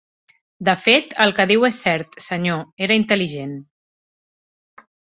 De fet, el què diu és cert, senyor: era intel·ligent.